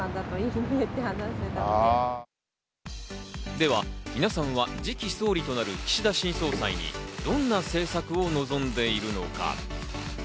では皆様は次期総理となる岸田新総裁にどんな政策を望んでいるのか。